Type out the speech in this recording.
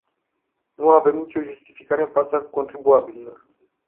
Nu avem nicio justificare în fața contribuabililor.